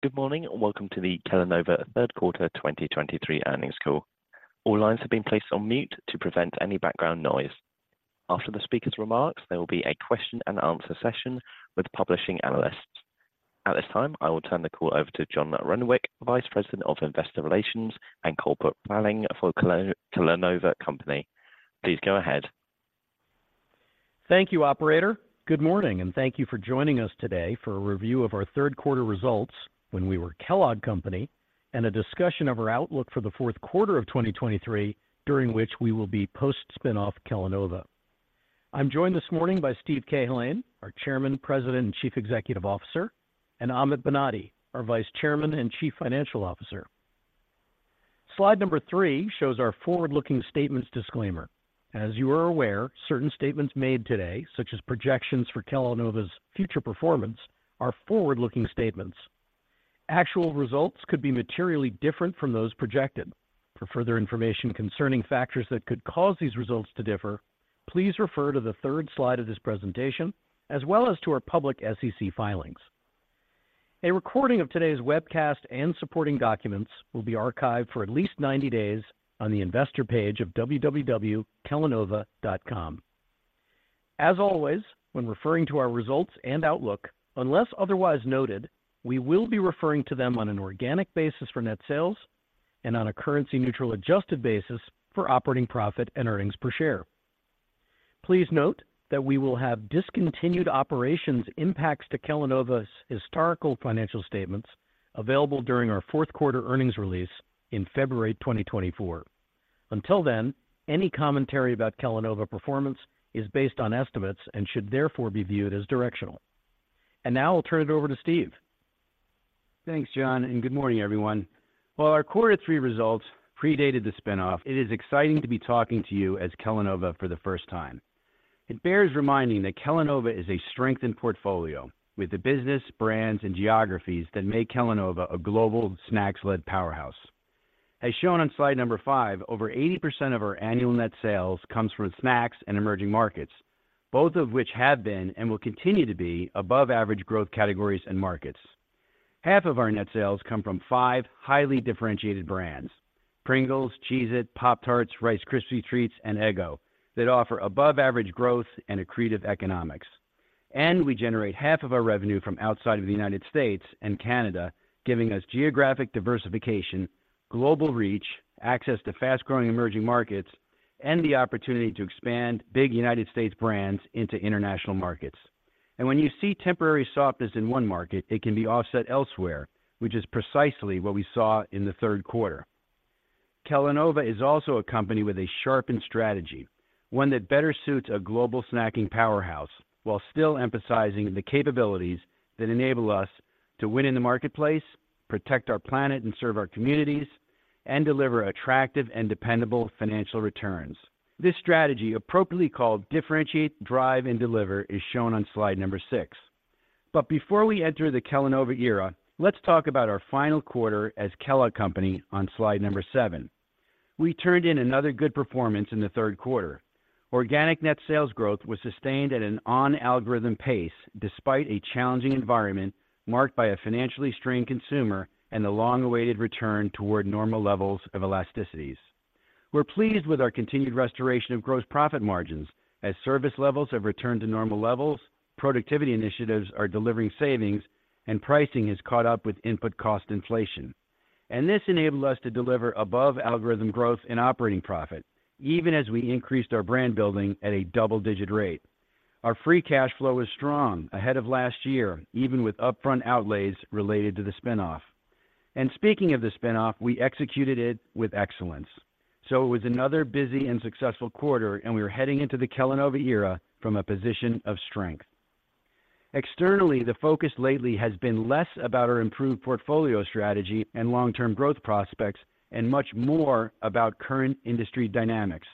Good morning, and welcome to the Kellanova third quarter 2023 earnings call. All lines have been placed on mute to prevent any background noise. After the speaker's remarks, there will be a question and answer session with participating analysts. At this time, I will turn the call over to John Renwick, Vice President of Investor Relations and Corporate Planning for Kellanova Company. Please go ahead. Thank you, operator. Good morning, and thank you for joining us today for a review of our third quarter results when we were Kellogg Company, and a discussion of our outlook for the fourth quarter of 2023, during which we will be post spin-off Kellanova. I'm joined this morning by Steve Cahillane, our Chairman, President, and Chief Executive Officer, and Amit Banati, our Vice Chairman and Chief Financial Officer. Slide three shows our forward-looking statements disclaimer. As you are aware, certain statements made today, such as projections for Kellanova's future performance, are forward-looking statements. Actual results could be materially different from those projected. For further information concerning factors that could cause these results to differ, please refer to the third slide of this presentation, as well as to our public SEC filings. A recording of today's webcast and supporting documents will be archived for at least 90 days on the investor page of www.kellanova.com. As always, when referring to our results and outlook, unless otherwise noted, we will be referring to them on an organic basis for net sales and on a currency-neutral, adjusted basis for operating profit and earnings per share. Please note that we will have discontinued operations impacts to Kellanova's historical financial statements available during our fourth quarter earnings release in February 2024. Until then, any commentary about Kellanova performance is based on estimates and should therefore be viewed as directional. Now I'll turn it over to Steve. Thanks, John, and good morning, everyone. While our Quarter three results predated the spin-off, it is exciting to be talking to you as Kellanova for the first time. It bears reminding that Kellanova is a strengthened portfolio with the business, brands, and geographies that make Kellanova a global snacks-led powerhouse. As shown on slide number five, over 80% of our annual net sales comes from snacks and emerging markets, both of which have been and will continue to be above-average growth categories and markets. Half of our net sales come from five highly differentiated brands: Pringles, Cheez-It, Pop-Tarts, Rice Krispies Treats, and Eggo, that offer above average growth and accretive economics. We generate half of our revenue from outside of the United States and Canada, giving us geographic diversification, global reach, access to fast-growing emerging markets, and the opportunity to expand big United States brands into international markets. When you see temporary softness in one market, it can be offset elsewhere, which is precisely what we saw in the third quarter. Kellanova is also a company with a sharpened strategy, one that better suits a global snacking powerhouse while still emphasizing the capabilities that enable us to win in the marketplace, protect our planet, and serve our communities, and deliver attractive and dependable financial returns. This strategy, appropriately called Differentiate, Drive, and Deliver, is shown on slide number six. Before we enter the Kellanova era, let's talk about our final quarter as Kellogg Company on slide number seven. We turned in another good performance in the third quarter. Organic net sales growth was sustained at an on-algorithm pace, despite a challenging environment marked by a financially strained consumer and the long-awaited return toward normal levels of elasticities. We're pleased with our continued restoration of gross profit margins as service levels have returned to normal levels, productivity initiatives are delivering savings, and pricing has caught up with input cost inflation. This enabled us to deliver above-algorithm growth and operating profit, even as we increased our brand building at a double-digit rate. Our free cash flow is strong, ahead of last year, even with upfront outlays related to the spin-off. Speaking of the spin-off, we executed it with excellence. It was another busy and successful quarter, and we are heading into the Kellanova era from a position of strength. Externally, the focus lately has been less about our improved portfolio strategy and long-term growth prospects and much more about current industry dynamics.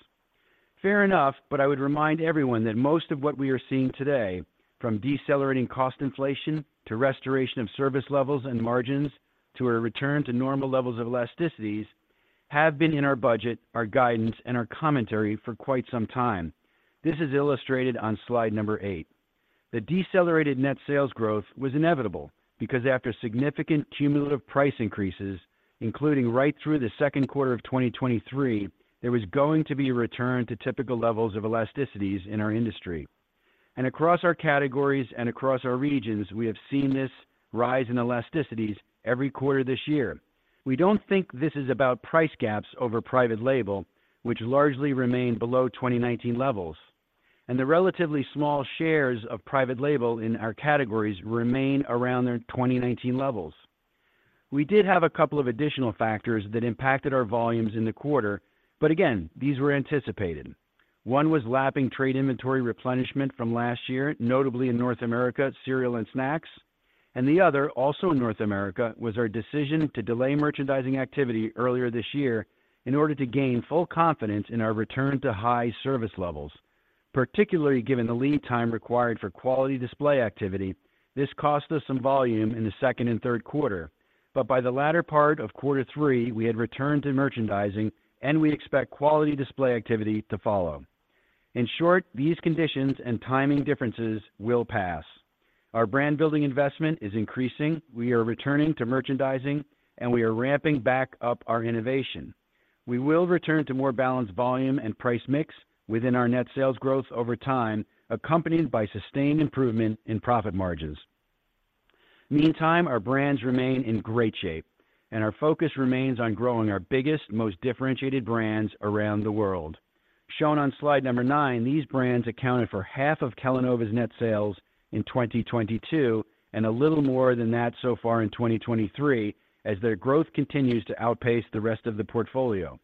Fair enough, but I would remind everyone that most of what we are seeing today, from decelerating cost inflation to restoration of service levels and margins, to a return to normal levels of elasticities, have been in our budget, our guidance, and our commentary for quite some time. This is illustrated on slide number eight. The decelerated net sales growth was inevitable because after significant cumulative price increases, including right through the second quarter of 2023, there was going to be a return to typical levels of elasticities in our industry. Across our categories and across our regions, we have seen this rise in elasticities every quarter this year. We don't think this is about price gaps over private label, which largely remain below 2019 levels, and the relatively small shares of private label in our categories remain around their 2019 levels. We did have a couple of additional factors that impacted our volumes in the quarter, but again, these were anticipated. One was lapping trade inventory replenishment from last year, notably in North America, cereal and snacks. And the other, also in North America, was our decision to delay merchandising activity earlier this year in order to gain full confidence in our return to high service levels. Particularly given the lead time required for quality display activity, this cost us some volume in the second and third quarter, but by the latter part of quarter three, we had returned to merchandising and we expect quality display activity to follow. In short, these conditions and timing differences will pass. Our brand-building investment is increasing, we are returning to merchandising, and we are ramping back up our innovation. We will return to more balanced volume and price mix within our net sales growth over time, accompanied by sustained improvement in profit margins. Meantime, our brands remain in great shape, and our focus remains on growing our biggest, most differentiated brands around the world. Shown on slide number nine, these brands accounted for half of Kellanova's net sales in 2022, and a little more than that so far in 2023, as their growth continues to outpace the rest of the portfolio.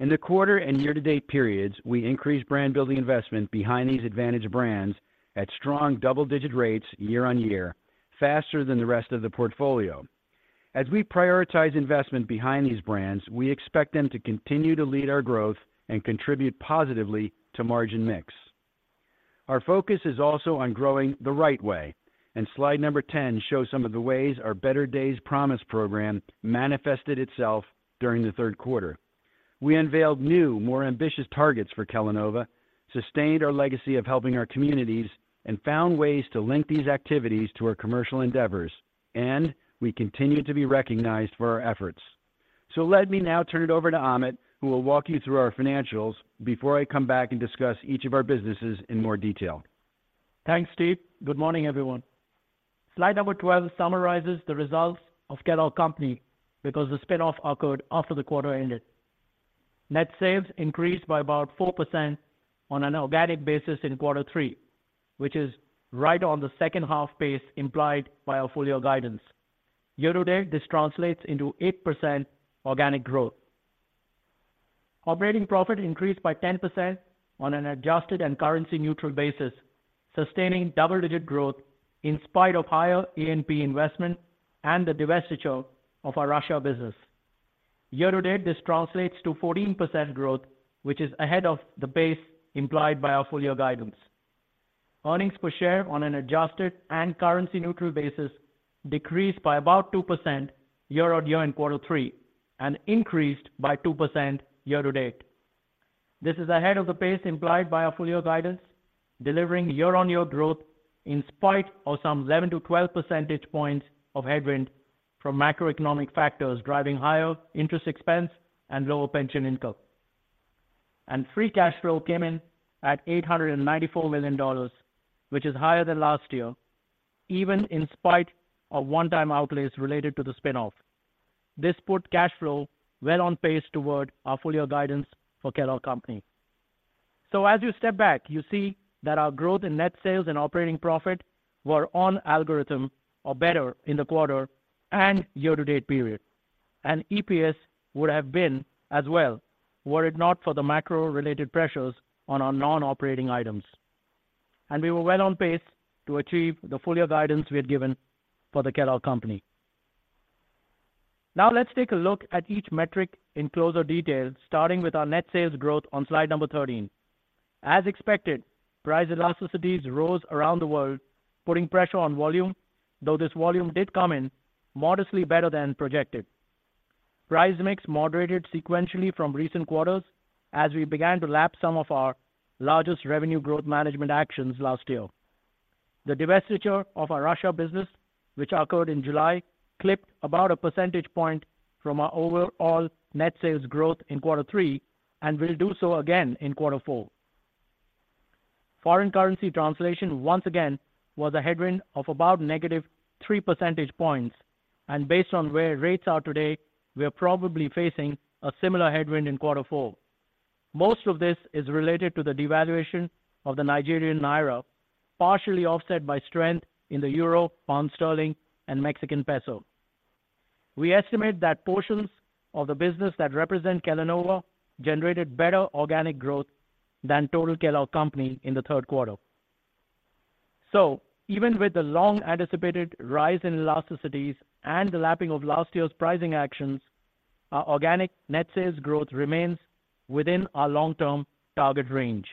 In the quarter and year-to-date periods, we increased brand-building investment behind these advantage brands at strong double-digit rates year-on-year, faster than the rest of the portfolio. As we prioritize investment behind these brands, we expect them to continue to lead our growth and contribute positively to margin mix. Our focus is also on growing the right way, and slide number 10 shows some of the ways our Better Days Promise program manifested itself during the third quarter. We unveiled new, more ambitious targets for Kellanova, sustained our legacy of helping our communities, and found ways to link these activities to our commercial endeavors, and we continued to be recognized for our efforts. So let me now turn it over to Amit, who will walk you through our financials before I come back and discuss each of our businesses in more detail. Thanks, Steve. Good morning, everyone. Slide number 12 summarizes the results of Kellogg Company because the spin-off occurred after the quarter ended. Net sales increased by about 4% on an organic basis in quarter three, which is right on the second half pace implied by our full-year guidance. Year-to-date, this translates into 8% organic growth. Operating profit increased by 10% on an adjusted and currency-neutral basis, sustaining double-digit growth in spite of higher A&P investment and the divestiture of our Russia business. Year-to-date, this translates to 14% growth, which is ahead of the pace implied by our full-year guidance. Earnings per share on an adjusted and currency-neutral basis decreased by about 2% year-on-year in quarter three and increased by 2% year-to-date. This is ahead of the pace implied by our full-year guidance, delivering year-on-year growth in spite of some 11-12 percentage points of headwind from macroeconomic factors, driving higher interest expense and lower pension income. Free cash flow came in at $894 million, which is higher than last year, even in spite of one-time outlays related to the spin-off. This put cash flow well on pace toward our full-year guidance for Kellogg Company. As you step back, you see that our growth in net sales and operating profit were on algorithm or better in the quarter and year-to-date period, and EPS would have been as well, were it not for the macro-related pressures on our non-operating items. We were well on pace to achieve the full-year guidance we had given for the Kellogg Company. Now, let's take a look at each metric in closer detail, starting with our net sales growth on slide number 13. As expected, price elasticities rose around the world, putting pressure on volume, though this volume did come in modestly better than projected. Price mix moderated sequentially from recent quarters as we began to lap some of our largest revenue growth management actions last year. The divestiture of our Russia business, which occurred in July, clipped about a percentage point from our overall net sales growth in quarter three and will do so again in quarter four. Foreign currency translation once again was a headwind of about negative 3 percentage points, and based on where rates are today, we are probably facing a similar headwind in quarter four. Most of this is related to the devaluation of the Nigerian naira, partially offset by strength in the euro, pound sterling, and Mexican peso. We estimate that portions of the business that represent Kellanova generated better organic growth than total Kellogg Company in the third quarter. So even with the long-anticipated rise in elasticities and the lapping of last year's pricing actions, our organic net sales growth remains within our long-term target range.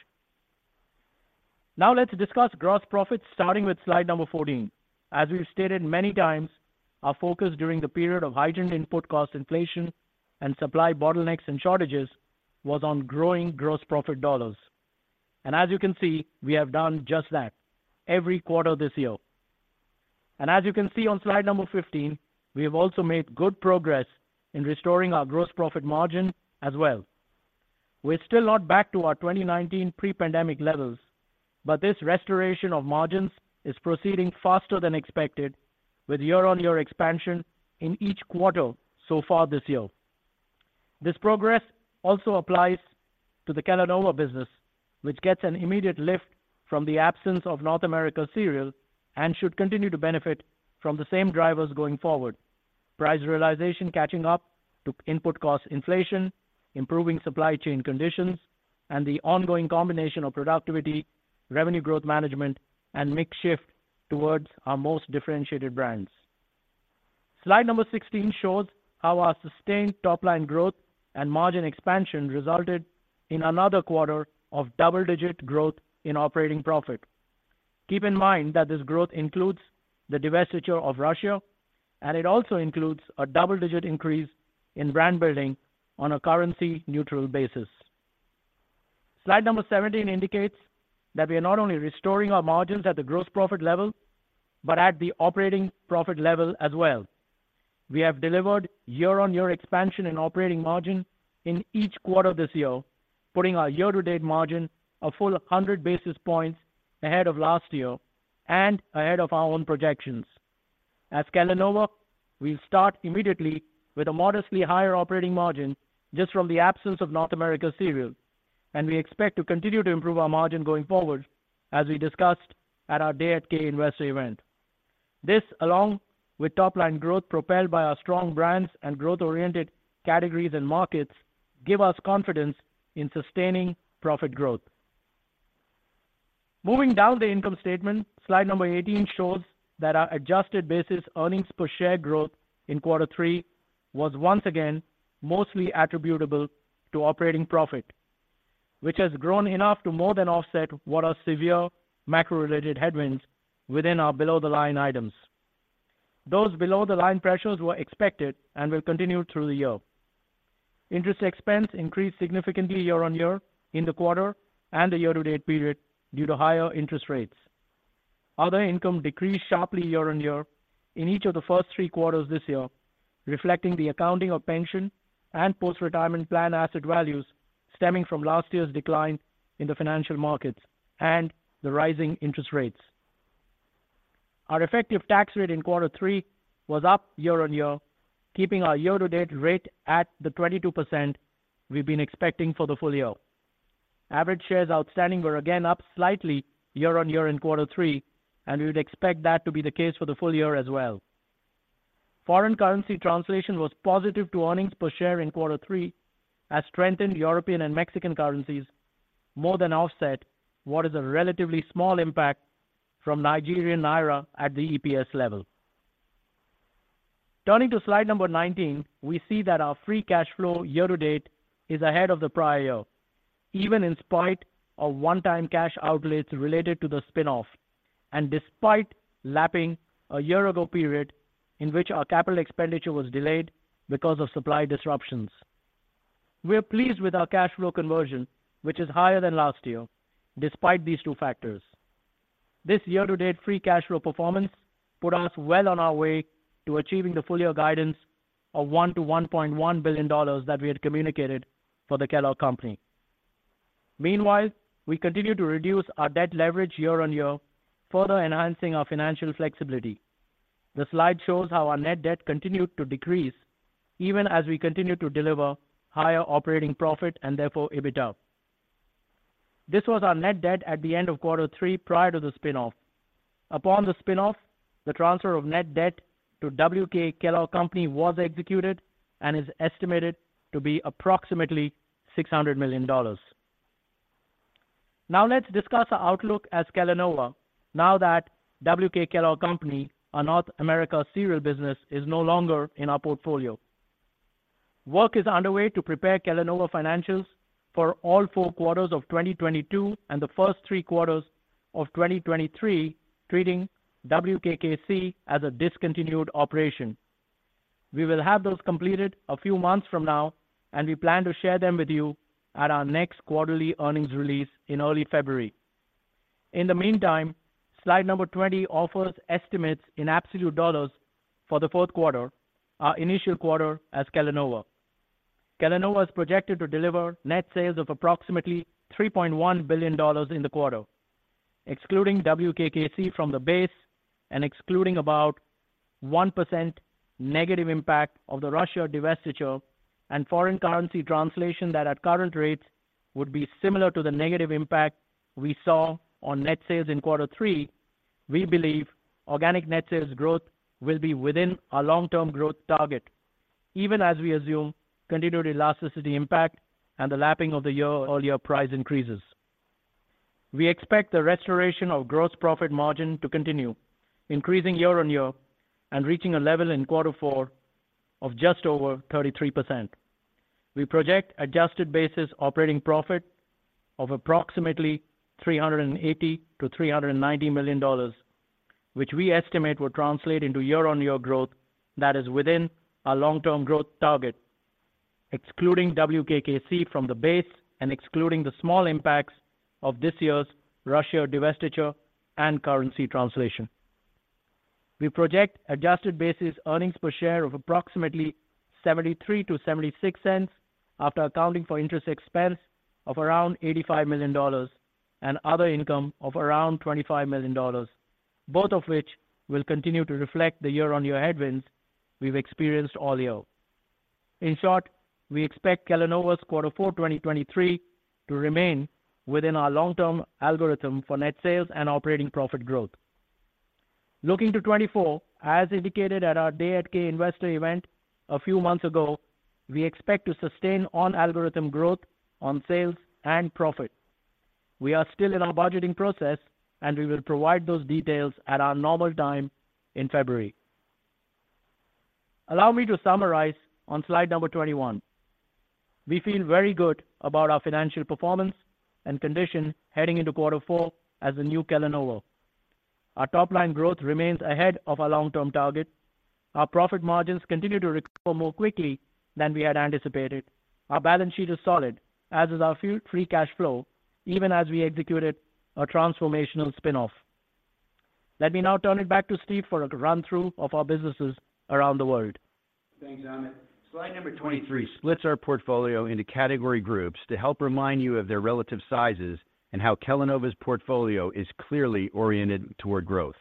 Now let's discuss gross profit, starting with slide number 14. As we've stated many times, our focus during the period of heightened input cost inflation and supply bottlenecks and shortages was on growing gross profit dollars. And as you can see, we have done just that every quarter this year. And as you can see on slide number 15, we have also made good progress in restoring our gross profit margin as well. We're still not back to our 2019 pre-pandemic levels, but this restoration of margins is proceeding faster than expected, with year-on-year expansion in each quarter so far this year. This progress also applies to the Kellanova business, which gets an immediate lift from the absence of North America cereal and should continue to benefit from the same drivers going forward. Price realization catching up to input cost inflation, improving supply chain conditions, and the ongoing combination of productivity, revenue growth management, and mix shift towards our most differentiated brands. Slide number 16 shows how our sustained top-line growth and margin expansion resulted in another quarter of double-digit growth in operating profit.... Keep in mind that this growth includes the divestiture of Russia, and it also includes a double-digit increase in brand building on a currency-neutral basis. Slide number 17 indicates that we are not only restoring our margins at the gross profit level, but at the operating profit level as well. We have delivered year-on-year expansion in operating margin in each quarter this year, putting our year-to-date margin a full 100 basis points ahead of last year and ahead of our own projections. At Kellanova, we'll start immediately with a modestly higher operating margin just from the absence of North America Cereal, and we expect to continue to improve our margin going forward, as we discussed at our Day at K investor event. This, along with top-line growth propelled by our strong brands and growth-oriented categories and markets, give us confidence in sustaining profit growth. Moving down the income statement, slide number 18 shows that our adjusted basis earnings per share growth in quarter three was once again mostly attributable to operating profit, which has grown enough to more than offset what are severe macro-related headwinds within our below-the-line items. Those below-the-line pressures were expected and will continue through the year. Interest expense increased significantly year-on-year in the quarter and the year-to-date period due to higher interest rates. Other income decreased sharply year-on-year in each of the first three quarters this year, reflecting the accounting of pension and post-retirement plan asset values stemming from last year's decline in the financial markets and the rising interest rates. Our effective tax rate in quarter three was up year-on-year, keeping our year-to-date rate at the 22% we've been expecting for the full year. Average shares outstanding were again up slightly year-on-year in quarter three, and we would expect that to be the case for the full year as well. Foreign currency translation was positive to earnings per share in quarter three as strengthened European and Mexican currencies more than offset what is a relatively small impact from Nigerian naira at the EPS level. Turning to slide number 19, we see that our free cash flow year-to-date is ahead of the prior year, even in spite of one-time cash outlays related to the spin-off, and despite lapping a year-ago period in which our capital expenditure was delayed because of supply disruptions. We are pleased with our cash flow conversion, which is higher than last year, despite these two factors. This year-to-date free cash flow performance put us well on our way to achieving the full year guidance of $1 billion-$1.1 billion that we had communicated for the Kellogg Company. Meanwhile, we continue to reduce our debt leverage year-on-year, further enhancing our financial flexibility. The slide shows how our net debt continued to decrease, even as we continued to deliver higher operating profit and therefore, EBITDA. This was our net debt at the end of quarter three prior to the spin-off. Upon the spin-off, the transfer of net debt to WK Kellogg Company was executed and is estimated to be approximately $600 million. Now let's discuss our outlook as Kellanova, now that WK Kellogg Company, our North America cereal business, is no longer in our portfolio. Work is underway to prepare Kellanova financials for all four quarters of 2022 and the first three quarters of 2023, treating WKKC as a discontinued operation. We will have those completed a few months from now, and we plan to share them with you at our next quarterly earnings release in early February. In the meantime, slide number 20 offers estimates in absolute dollars for the fourth quarter, our initial quarter as Kellanova. Kellanova is projected to deliver net sales of approximately $3.1 billion in the quarter. Excluding WKKC from the base and excluding about 1% negative impact of the Russia divestiture and foreign currency translation, that at current rates would be similar to the negative impact we saw on net sales in quarter three, we believe organic net sales growth will be within our long-term growth target, even as we assume continued elasticity impact and the lapping of the year earlier price increases. We expect the restoration of gross profit margin to continue, increasing year-on-year and reaching a level in quarter four of just over 33%. We project adjusted basis operating profit of approximately $380 million-$390 million, which we estimate will translate into year-over-year growth that is within our long-term growth target, excluding WKKC from the base and excluding the small impacts of this year's Russia divestiture and currency translation. We project adjusted basis earnings per share of approximately $0.73-$0.76 after accounting for interest expense of around $85 million and other income of around $25 million, both of which will continue to reflect the year-on-year headwinds we've experienced all year. In short, we expect Kellanova's quarter four 2023 to remain within our long-term algorithm for net sales and operating profit growth. Looking to 2024, as indicated at our Day at K investor event a few months ago, we expect to sustain on-algorithm growth on sales and profit. We are still in our budgeting process, and we will provide those details at our normal time in February. Allow me to summarize on slide 21. We feel very good about our financial performance and condition heading into quarter four as the new Kellanova. Our top line growth remains ahead of our long-term target. Our profit margins continue to recover more quickly than we had anticipated. Our balance sheet is solid, as is our free cash flow, even as we executed a transformational spin-off. Let me now turn it back to Steve for a run through of our businesses around the world. Thanks, Amit. Slide number 23 splits our portfolio into category groups to help remind you of their relative sizes and how Kellanova's portfolio is clearly oriented toward growth.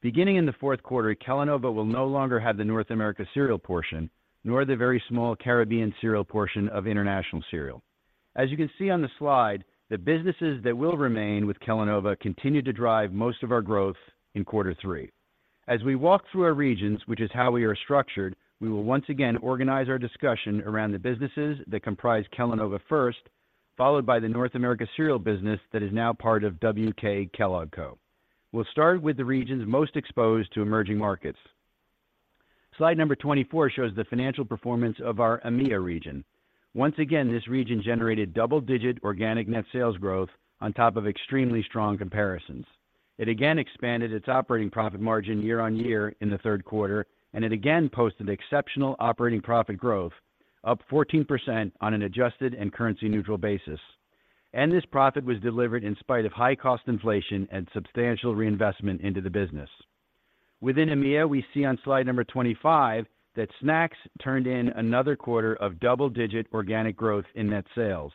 Beginning in the fourth quarter, Kellanova will no longer have the North America cereal portion, nor the very small Caribbean cereal portion of international cereal. As you can see on the slide, the businesses that will remain with Kellanova continued to drive most of our growth in quarter three. As we walk through our regions, which is how we are structured, we will once again organize our discussion around the businesses that comprise Kellanova first, followed by the North America cereal business that is now part of WK Kellogg Co. We'll start with the regions most exposed to emerging markets. Slide number 24 shows the financial performance of our AMEA region. Once again, this region generated double-digit organic net sales growth on top of extremely strong comparisons. It again expanded its operating profit margin year-on-year in the third quarter, and it again posted exceptional operating profit growth, up 14% on an adjusted and currency-neutral basis. This profit was delivered in spite of high cost inflation and substantial reinvestment into the business. Within AMEA, we see on slide number 25, that snacks turned in another quarter of double-digit organic growth in net sales.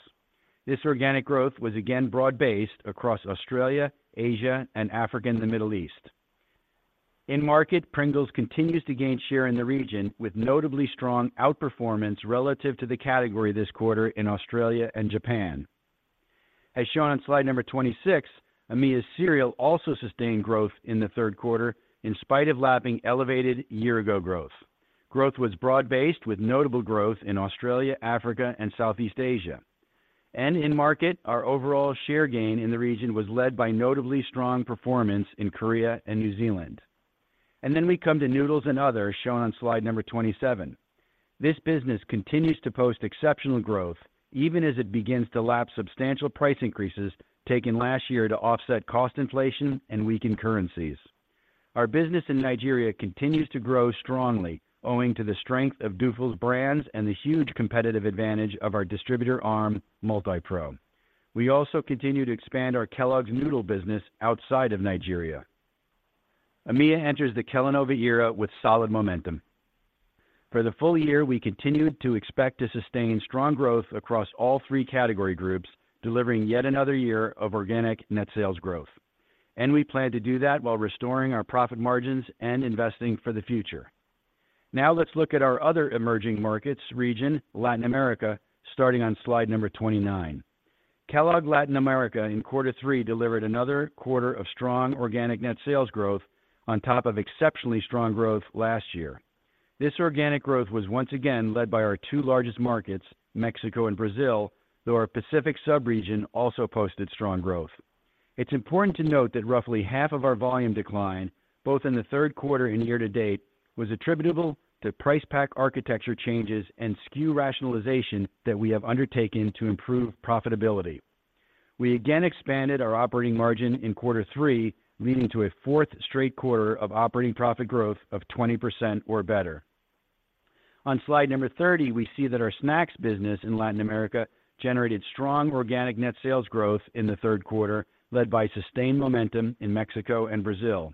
This organic growth was again broad-based across Australia, Asia, and Africa, and the Middle East. In market, Pringles continues to gain share in the region, with notably strong outperformance relative to the category this quarter in Australia and Japan. As shown on slide number 26, AMEA's cereal also sustained growth in the third quarter in spite of lapping elevated year-ago growth. Growth was broad-based, with notable growth in Australia, Africa, and Southeast Asia. And in market, our overall share gain in the region was led by notably strong performance in Korea and New Zealand. And then we come to noodles and others, shown on slide number 27. This business continues to post exceptional growth, even as it begins to lap substantial price increases taken last year to offset cost inflation and weakened currencies. Our business in Nigeria continues to grow strongly, owing to the strength of Dufil's brands and the huge competitive advantage of our distributor arm, Multipro. We also continue to expand our Kellogg's noodle business outside of Nigeria. AMEA enters the Kellanova era with solid momentum. For the full year, we continued to expect to sustain strong growth across all three category groups, delivering yet another year of organic net sales growth. We plan to do that while restoring our profit margins and investing for the future. Now, let's look at our other emerging markets region, Latin America, starting on slide number 29. Kellogg Latin America in quarter three delivered another quarter of strong organic net sales growth on top of exceptionally strong growth last year. This organic growth was once again led by our two largest markets, Mexico and Brazil, though our Pacific subregion also posted strong growth. It's important to note that roughly half of our volume decline, both in the third quarter and year to date, was attributable to price pack architecture changes and SKU rationalization that we have undertaken to improve profitability. We again expanded our operating margin in quarter three, leading to a fourth straight quarter of operating profit growth of 20% or better. On slide number 30, we see that our snacks business in Latin America generated strong organic net sales growth in the third quarter, led by sustained momentum in Mexico and Brazil.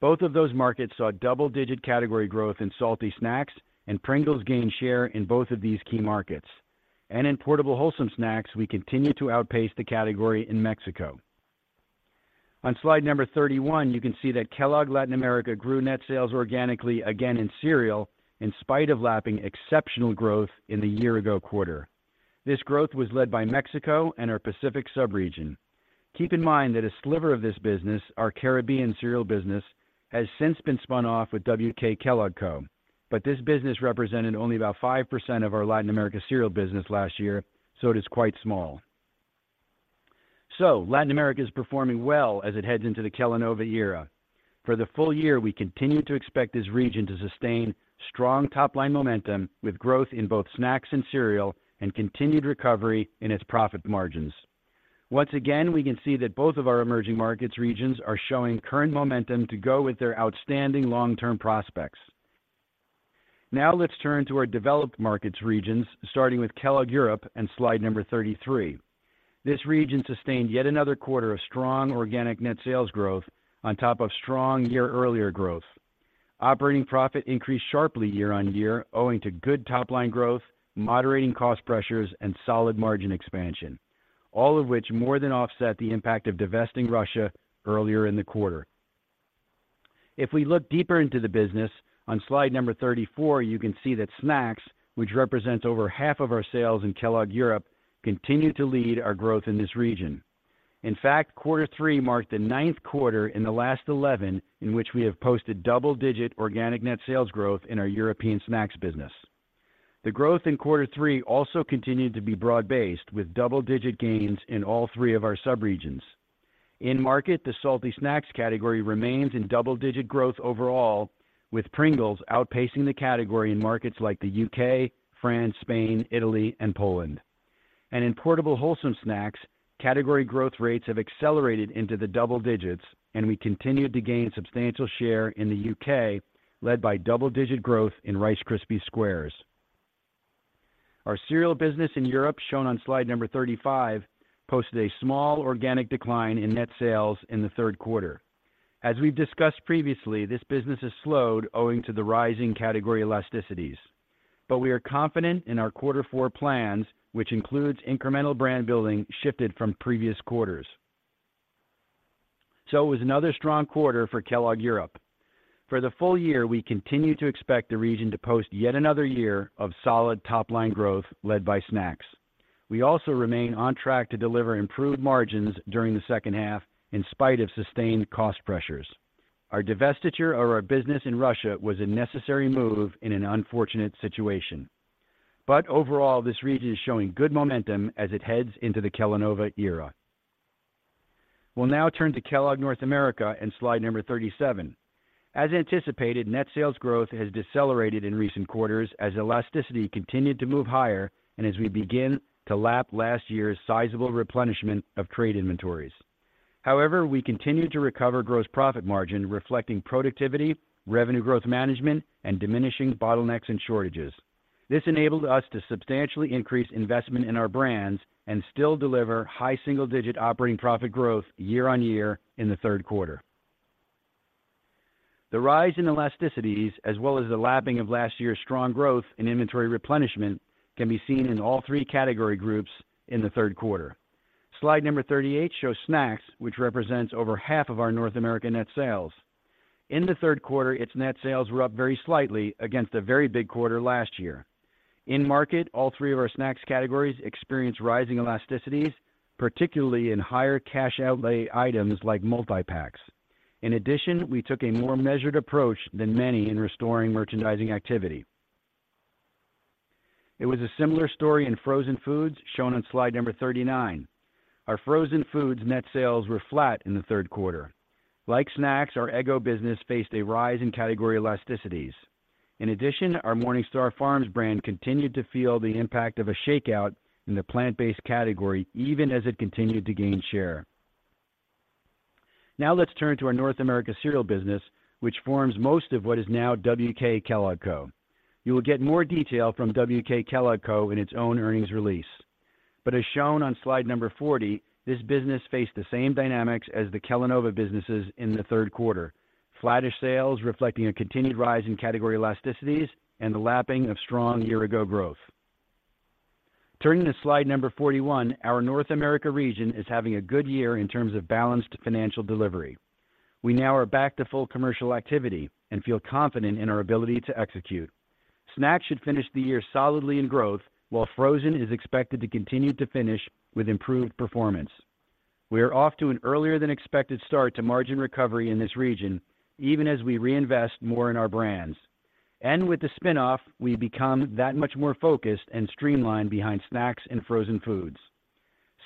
Both of those markets saw double-digit category growth in salty snacks, and Pringles gained share in both of these key markets. And in portable wholesome snacks, we continued to outpace the category in Mexico. On slide number 31, you can see that Kellogg Latin America grew net sales organically again in cereal, in spite of lapping exceptional growth in the year ago quarter. This growth was led by Mexico and our Pacific sub-region. Keep in mind that a sliver of this business, our Caribbean cereal business, has since been spun off with WK Kellogg Co. But this business represented only about 5% of our Latin America cereal business last year, so it is quite small. So Latin America is performing well as it heads into the Kellanova era. For the full year, we continued to expect this region to sustain strong top-line momentum, with growth in both snacks and cereal, and continued recovery in its profit margins. Once again, we can see that both of our emerging markets regions are showing current momentum to go with their outstanding long-term prospects. Now, let's turn to our developed markets regions, starting with Kellogg Europe and slide number 33. This region sustained yet another quarter of strong organic net sales growth on top of strong year earlier growth. Operating profit increased sharply year-on-year, owing to good top-line growth, moderating cost pressures, and solid margin expansion, all of which more than offset the impact of divesting Russia earlier in the quarter. If we look deeper into the business, on slide number 34, you can see that snacks, which represent over half of our sales in Kellogg Europe, continued to lead our growth in this region. In fact, quarter three marked the ninth quarter in the last 11 in which we have posted double-digit organic net sales growth in our European snacks business... The growth in quarter three also continued to be broad-based, with double-digit gains in all three of our subregions. In market, the salty snacks category remains in double-digit growth overall, with Pringles outpacing the category in markets like the U.K., France, Spain, Italy and Poland. In portable wholesome snacks, category growth rates have accelerated into the double digits, and we continued to gain substantial share in the U.K., led by double-digit growth in Rice Krispies Squares. Our cereal business in Europe, shown on slide number 35, posted a small organic decline in net sales in the third quarter. As we've discussed previously, this business has slowed owing to the rising category elasticities. But we are confident in our quarter four plans, which includes incremental brand building shifted from previous quarters. So it was another strong quarter for Kellogg Europe. For the full year, we continue to expect the region to post yet another year of solid top line growth led by snacks. We also remain on track to deliver improved margins during the second half, in spite of sustained cost pressures. Our divestiture of our business in Russia was a necessary move in an unfortunate situation. But overall, this region is showing good momentum as it heads into the Kellanova era. We'll now turn to Kellogg North America and slide number 37. As anticipated, net sales growth has decelerated in recent quarters as elasticity continued to move higher and as we begin to lap last year's sizable replenishment of trade inventories. However, we continued to recover gross profit margin, reflecting productivity, revenue growth management, and diminishing bottlenecks and shortages. This enabled us to substantially increase investment in our brands and still deliver high single-digit operating profit growth year on year in the third quarter. The rise in elasticities, as well as the lapping of last year's strong growth in inventory replenishment, can be seen in all three category groups in the third quarter. Slide number 38 shows snacks, which represents over half of our North America net sales. In the third quarter, its net sales were up very slightly against a very big quarter last year. In market, all three of our snacks categories experienced rising elasticities, particularly in higher cash outlay items like multi-packs. In addition, we took a more measured approach than many in restoring merchandising activity. It was a similar story in frozen foods, shown on slide number 39. Our frozen foods net sales were flat in the third quarter. Like snacks, our Eggo business faced a rise in category elasticities. In addition, our MorningStar Farms brand continued to feel the impact of a shakeout in the plant-based category, even as it continued to gain share. Now let's turn to our North America cereal business, which forms most of what is now WK Kellogg Co. You will get more detail from WK Kellogg Co. in its own earnings release. But as shown on slide 40, this business faced the same dynamics as the Kellanova businesses in the third quarter: flattish sales, reflecting a continued rise in category elasticities and the lapping of strong year-ago growth. Turning to slide 41, our North America region is having a good year in terms of balanced financial delivery. We now are back to full commercial activity and feel confident in our ability to execute. Snacks should finish the year solidly in growth, while frozen is expected to continue to finish with improved performance. We are off to an earlier than expected start to margin recovery in this region, even as we reinvest more in our brands. And with the spin-off, we become that much more focused and streamlined behind snacks and frozen foods.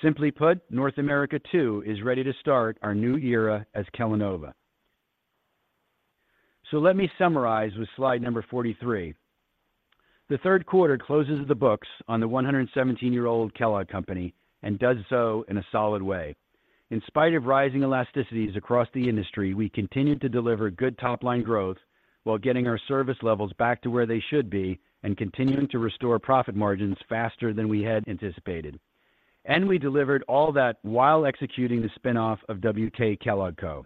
Simply put, North America, too, is ready to start our new era as Kellanova. So let me summarize with slide number 43. The third quarter closes the books on the 117-year-old Kellogg Company and does so in a solid way. In spite of rising elasticities across the industry, we continued to deliver good top line growth while getting our service levels back to where they should be and continuing to restore profit margins faster than we had anticipated. We delivered all that while executing the spin-off of WK Kellogg Co.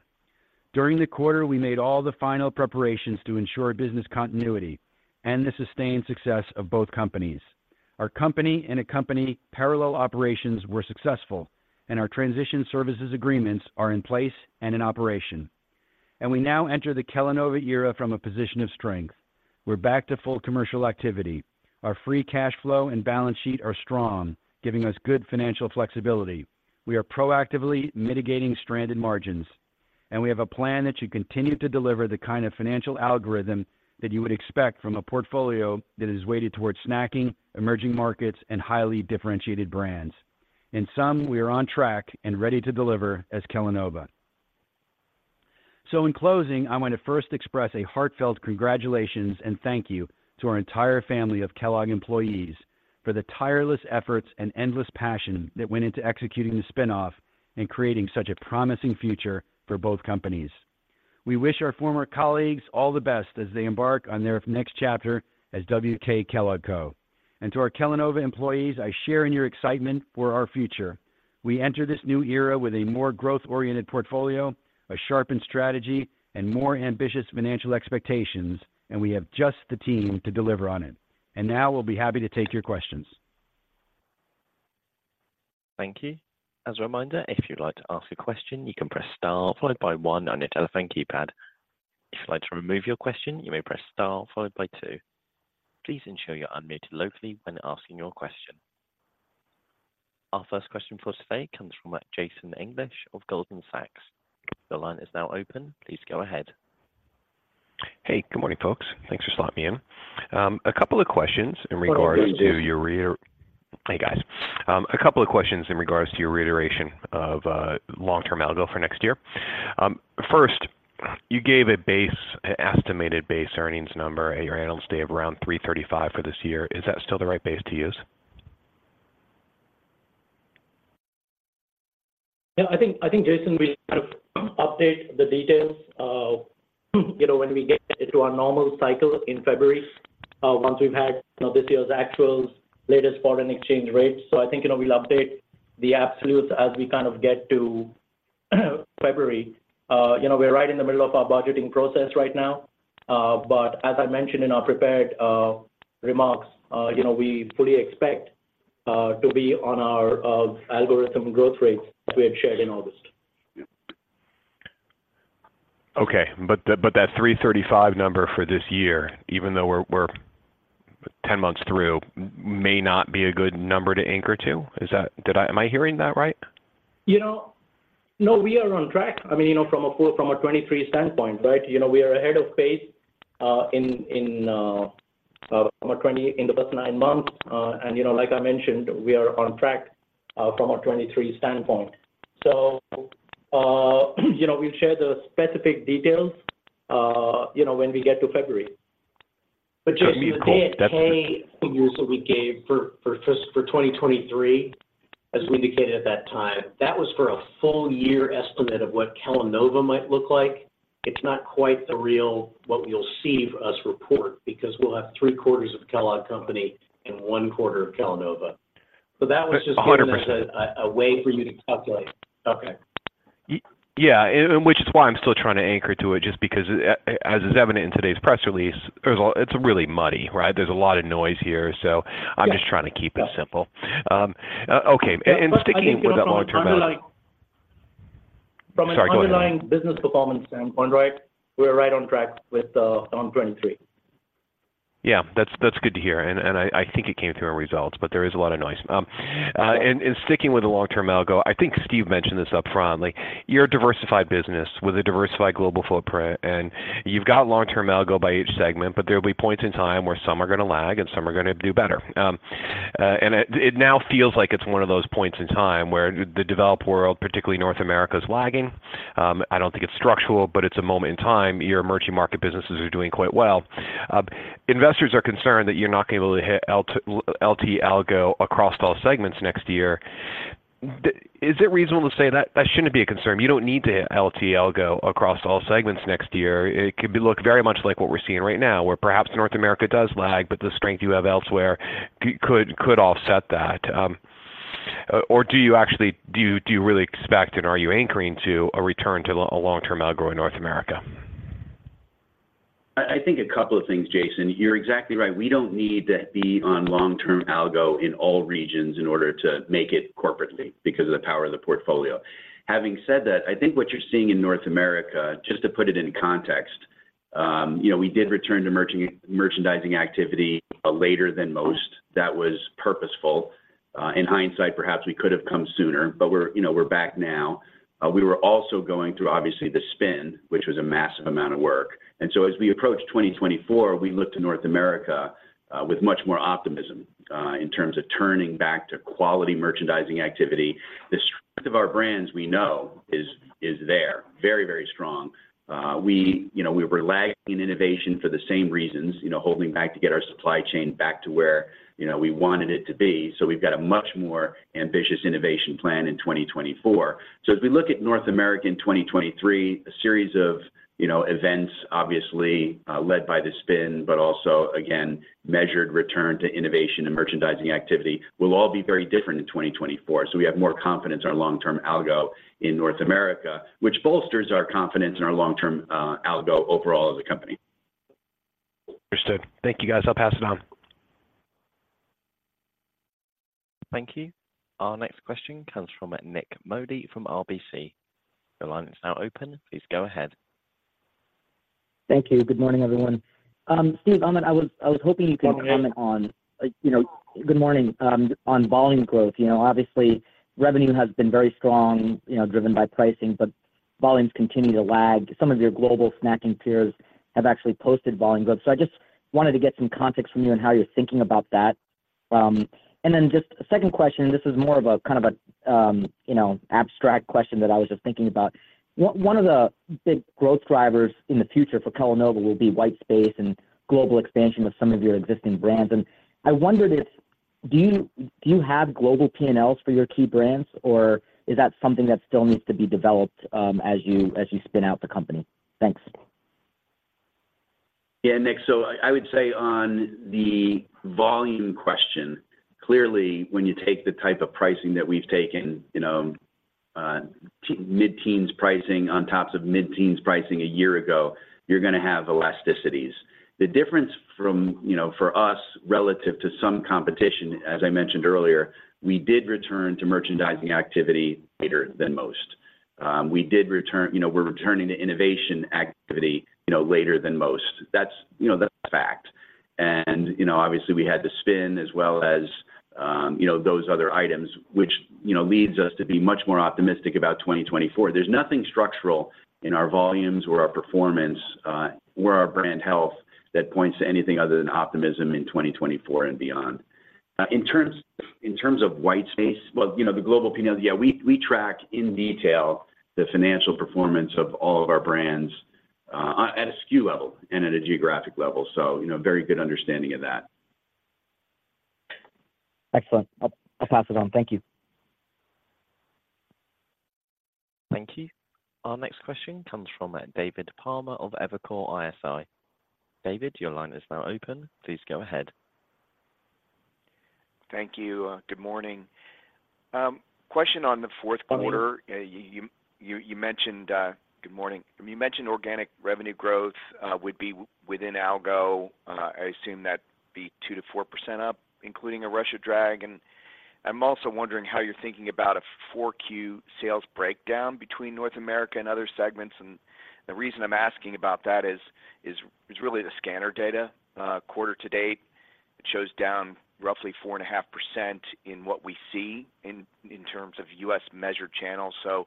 During the quarter, we made all the final preparations to ensure business continuity and the sustained success of both companies. Our company and company-parallel operations were successful, and our transition services agreements are in place and in operation. We now enter the Kellanova era from a position of strength. We're back to full commercial activity. Our free cash flow and balance sheet are strong, giving us good financial flexibility. We are proactively mitigating stranded margins, and we have a plan that should continue to deliver the kind of financial algorithm that you would expect from a portfolio that is weighted towards snacking, emerging markets, and highly differentiated brands. In sum, we are on track and ready to deliver as Kellanova. In closing, I want to first express a heartfelt congratulations and thank you to our entire family of Kellogg employees for the tireless efforts and endless passion that went into executing the spin-off and creating such a promising future for both companies. We wish our former colleagues all the best as they embark on their next chapter as WK Kellogg Co. To our Kellanova employees, I share in your excitement for our future. We enter this new era with a more growth-oriented portfolio, a sharpened strategy, and more ambitious financial expectations, and we have just the team to deliver on it. Now we'll be happy to take your questions. Thank you. As a reminder, if you'd like to ask a question, you can press star followed by one on your telephone keypad. If you'd like to remove your question, you may press star followed by two. Please ensure you're unmuted locally when asking your question.... Our first question for us today comes from Jason English of Goldman Sachs. The line is now open. Please go ahead. Hey, good morning, folks. Thanks for slotting me in. A couple of questions in regards to your re- Good morning, Jason. Hey, guys. A couple of questions in regards to your reiteration of long-term algo for next year. First, you gave an estimated base earnings number at your analyst day of around $3.35 for this year. Is that still the right base to use? Yeah, I think, I think, Jason, we kind of update the details, you know, when we get into our normal cycle in February, once we've had, you know, this year's actuals, latest foreign exchange rates. So I think, you know, we'll update the absolutes as we kind of get to February. You know, we're right in the middle of our budgeting process right now, but as I mentioned in our prepared remarks, you know, we fully expect to be on our algorithm growth rates that we had shared in August. Okay. But that $3.35 number for this year, even though we're 10 months through, may not be a good number to anchor to? Is that, did I, am I hearing that right? You know, no, we are on track. I mean, you know, from a full, from a 2023 standpoint, right? You know, we are ahead of pace in the first nine months. And you know, like I mentioned, we are on track from a 2023 standpoint. So, you know, we'll share the specific details, you know, when we get to February. But just- Okay. That's- The pay figures that we gave for 2023, as we indicated at that time, that was for a full year estimate of what Kellanova might look like. It's not quite the real, what you'll see us report, because we'll have three quarters of Kellogg Company and one quarter of Kellanova. So that was just- 100%.... a way for you to calculate. Okay. Yeah, and which is why I'm still trying to anchor to it, just because, as is evident in today's press release, there's a-- it's really muddy, right? There's a lot of noise here, so- Yeah... I'm just trying to keep it simple. Okay, and sticking with that long term- From an underlying- Sorry, go ahead. From an underlying business performance standpoint, right, we're right on track with on 2023. Yeah, that's good to hear, and I think it came through our results, but there is a lot of noise. And sticking with the long-term algo, I think Steve mentioned this upfront, like, you're a diversified business with a diversified global footprint, and you've got long-term algo by each segment, but there will be points in time where some are going to lag and some are going to do better. And it now feels like it's one of those points in time where the developed world, particularly North America, is lagging. I don't think it's structural, but it's a moment in time. Your emerging market businesses are doing quite well. Investors are concerned that you're not going to be able to hit LT algo across all segments next year. Is it reasonable to say that that shouldn't be a concern? You don't need to hit LT algo across all segments next year. It could look very much like what we're seeing right now, where perhaps North America does lag, but the strength you have elsewhere could offset that. Or do you actually really expect, and are you anchoring to a return to a long-term algo in North America? I think a couple of things, Jason. You're exactly right. We don't need to be on long-term algo in all regions in order to make it corporately, because of the power of the portfolio. Having said that, I think what you're seeing in North America, just to put it in context, you know, we did return to merchandising activity later than most. That was purposeful. In hindsight, perhaps we could have come sooner, but we're, you know, we're back now. We were also going through, obviously, the spin, which was a massive amount of work. So as we approach 2024, we look to North America with much more optimism in terms of turning back to quality merchandising activity. The strength of our brands, we know, is there, very, very strong. We, you know, we were lagging in innovation for the same reasons, you know, holding back to get our supply chain back to where, you know, we wanted it to be. So we've got a much more ambitious innovation plan in 2024. So as we look at North America in 2023, a series of, you know, events, obviously, led by the spin, but also again, measured return to innovation and merchandising activity, will all be very different in 2024. So we have more confidence in our long-term algo in North America, which bolsters our confidence in our long-term, algo overall as a company. Understood. Thank you, guys. I'll pass it on. Thank you. Our next question comes from Nik Modi from RBC. Your line is now open. Please go ahead. Thank you. Good morning, everyone. Steve, I was hoping you could comment on, like, you know... Good morning, on volume growth. You know, obviously, revenue has been very strong, you know, driven by pricing, but volumes continue to lag. Some of your global snacking peers have actually posted volume growth. So I just wanted to get some context from you on how you're thinking about that. And then just a second question, this is more of a, kind of a, you know, abstract question that I was just thinking about. One of the big growth drivers in the future for Kellanova will be white space and global expansion with some of your existing brands. I wondered if you have global P&Ls for your key brands, or is that something that still needs to be developed, as you spin out the company? Thanks. Yeah, Nik. So I would say on the volume question, clearly, when you take the type of pricing that we've taken, you know, mid-teens pricing on top of mid-teens pricing a year ago, you're gonna have elasticities. The difference from, you know, for us, relative to some competition, as I mentioned earlier, we did return to merchandising activity later than most. We did return, you know, we're returning to innovation activity, you know, later than most. That's, you know, that's a fact. And, you know, obviously, we had the spin as well as, you know, those other items, which, you know, leads us to be much more optimistic about 2024. There's nothing structural in our volumes or our performance, or our brand health that points to anything other than optimism in 2024 and beyond. In terms of white space, well, you know, the global P&L, yeah, we track in detail the financial performance of all of our brands at a SKU level and at a geographic level, so, you know, very good understanding of that. Excellent. I'll pass it on. Thank you. Thank you. Our next question comes from David Palmer of Evercore ISI. David, your line is now open. Please go ahead. Thank you. Good morning. Question on the fourth quarter. Good morning. Good morning. You mentioned organic revenue growth would be within algo. I assume that'd be 2%-4% up, including a Russia drag. And I'm also wondering how you're thinking about a 4Q sales breakdown between North America and other segments. And the reason I'm asking about that is really the scanner data quarter to date. It shows down roughly 4.5% in what we see in terms of U.S. measured channels. So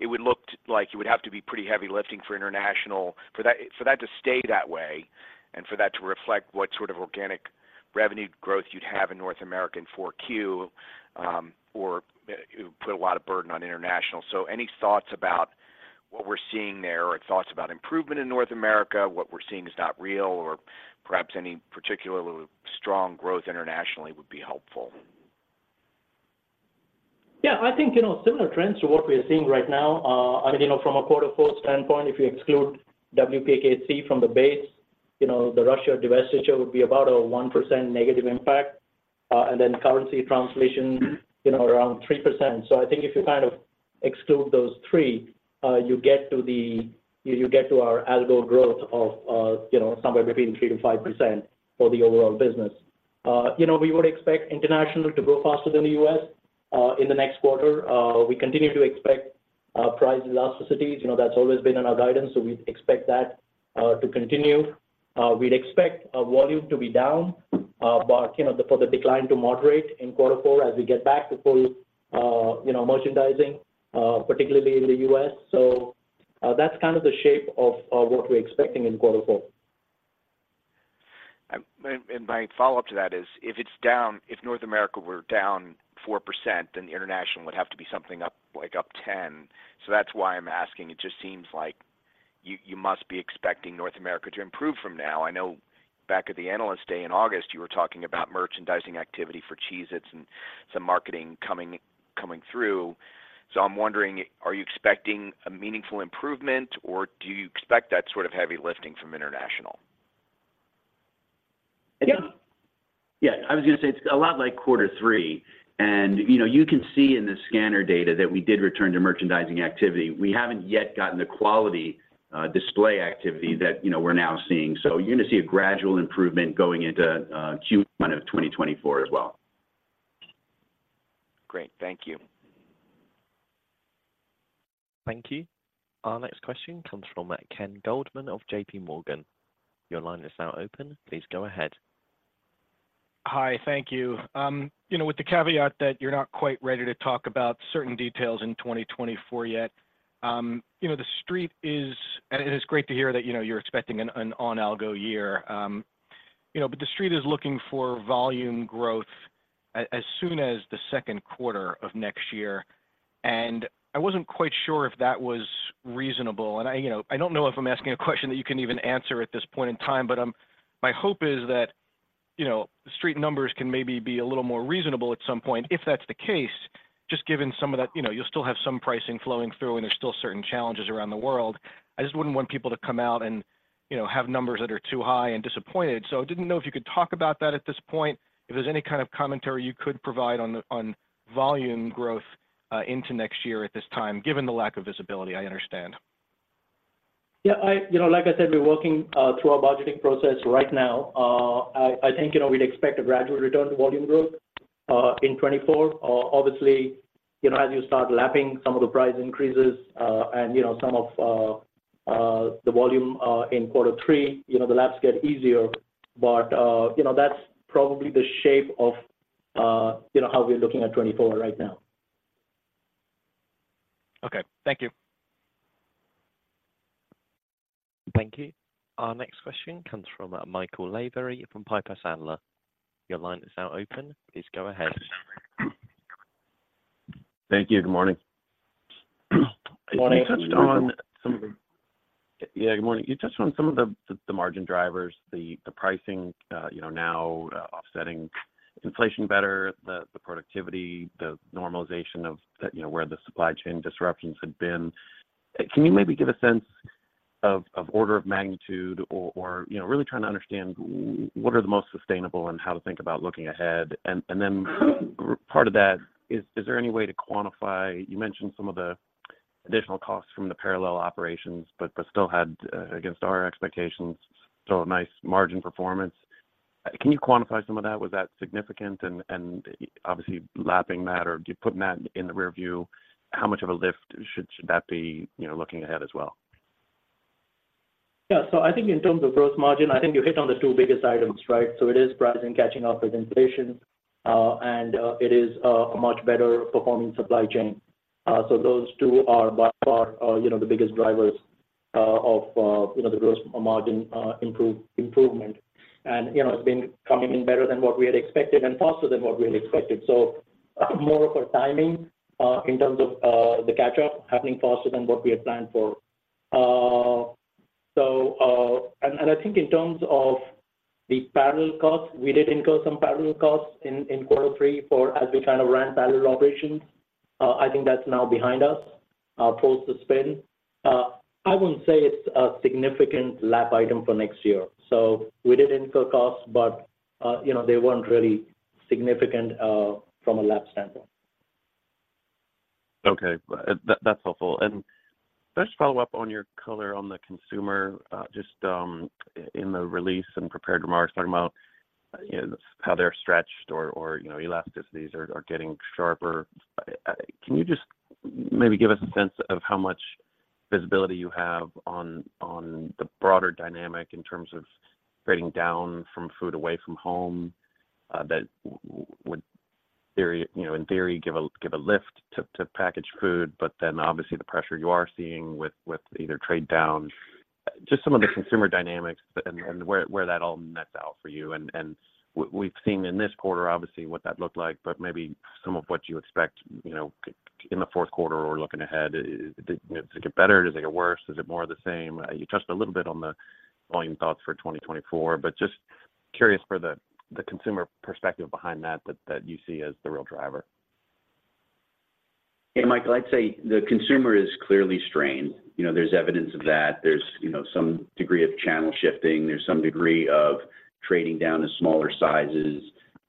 it would look like it would have to be pretty heavy lifting for international for that to stay that way and for that to reflect what sort of organic revenue growth you'd have in North American 4Q or put a lot of burden on international. So any thoughts about what we're seeing there or thoughts about improvement in North America? What we're seeing is not real, or perhaps any particularly strong growth internationally would be helpful. Yeah, I think, you know, similar trends to what we are seeing right now, I mean, you know, from a quarter four standpoint, if you exclude WKKC from the base, you know, the Russia divestiture would be about a 1% negative impact, and then currency translation, you know, around 3%. So I think if you kind of exclude those three, you get to our algo growth of, you know, somewhere between 3%-5% for the overall business. You know, we would expect international to grow faster than the U.S., in the next quarter. We continue to expect, price elasticities. You know, that's always been in our guidance, so we expect that, to continue. We'd expect volume to be down, but, you know, for the decline to moderate in quarter four as we get back to full, you know, merchandising, particularly in the U.S. So, that's kind of the shape of what we're expecting in quarter four. And my follow-up to that is, if it's down, if North America were down 4%, then international would have to be something up, like up 10%. So that's why I'm asking. It just seems like you must be expecting North America to improve from now. I know back at the Analyst Day in August, you were talking about merchandising activity for Cheez-It and some marketing coming through. So I'm wondering, are you expecting a meaningful improvement, or do you expect that sort of heavy lifting from international? Yeah. Yeah, I was going to say it's a lot like quarter three, and, you know, you can see in the scanner data that we did return to merchandising activity. We haven't yet gotten the quality, display activity that, you know, we're now seeing. So you're going to see a gradual improvement going into, Q1 of 2024 as well. Great. Thank you. Thank you. Our next question comes from Ken Goldman of JP Morgan. Your line is now open. Please go ahead. Hi, thank you. You know, with the caveat that you're not quite ready to talk about certain details in 2024 yet, you know, the street is, and it is great to hear that, you know, you're expecting an on-algo year. You know, but the street is looking for volume growth as soon as the second quarter of next year, and I wasn't quite sure if that was reasonable. And I, you know, I don't know if I'm asking a question that you can even answer at this point in time, but, my hope is that, you know, street numbers can maybe be a little more reasonable at some point, if that's the case, just given some of that, you know, you'll still have some pricing flowing through, and there's still certain challenges around the world. I just wouldn't want people to come out and, you know, have numbers that are too high and disappointed. So I didn't know if you could talk about that at this point, if there's any kind of commentary you could provide on the, on volume growth into next year at this time, given the lack of visibility, I understand. Yeah, I... You know, like I said, we're working through our budgeting process right now. I think, you know, we'd expect a gradual return to volume growth in 2024. Obviously, you know, as you start lapping some of the price increases, and, you know, some of the volume in quarter three, you know, the laps get easier. But, you know, that's probably the shape of, you know, how we're looking at 2024 right now. Okay. Thank you. Thank you. Our next question comes from Michael Lavery from Piper Sandler. Your line is now open. Please go ahead. Thank you. Good morning. Good morning. You touched on some of the... Yeah, good morning. You touched on some of the margin drivers, the pricing, you know, now offsetting inflation better, the productivity, the normalization of the, you know, where the supply chain disruptions had been. Can you maybe give a sense of order of magnitude or, you know, really trying to understand what are the most sustainable and how to think about looking ahead? And then, part of that, is there any way to quantify? You mentioned some of the additional costs from the parallel operations, but still had against our expectations still a nice margin performance. Can you quantify some of that? Was that significant? And obviously, lapping that or do you putting that in the rearview, how much of a lift should that be, you know, looking ahead as well? Yeah. So I think in terms of gross margin, I think you hit on the two biggest items, right? So it is pricing, catching up with inflation, and it is a much better performing supply chain. So those two are by far, you know, the biggest drivers of, you know, the gross margin improvement. And, you know, it's been coming in better than what we had expected and faster than what we had expected. So more of a timing in terms of the catch-up happening faster than what we had planned for. And I think in terms of the parallel costs, we did incur some parallel costs in quarter three as we kind of ran parallel operations. I think that's now behind us post the spin. I wouldn't say it's a significant lap item for next year. So we did incur costs, but, you know, they weren't really significant, from a lap standpoint. Okay. That's helpful. And just follow up on your color on the consumer, just, in the release and prepared remarks, talking about, you know, how they're stretched or, you know, elasticities are getting sharper. Can you just maybe give us a sense of how much visibility you have on the broader dynamic in terms of trading down from food away from home, that would, you know, in theory, give a lift to packaged food, but then obviously the pressure you are seeing with either trade down, just some of the consumer dynamics and where that all nets out for you. And we've seen in this quarter, obviously, what that looked like, but maybe some of what you expect, you know, in the fourth quarter or looking ahead. You know, does it get better? Does it get worse? Is it more of the same? You touched a little bit on the volume thoughts for 2024, but just curious for the consumer perspective behind that you see as the real driver. Yeah, Michael, I'd say the consumer is clearly strained. You know, there's evidence of that. There's, you know, some degree of channel shifting. There's some degree of trading down to smaller sizes.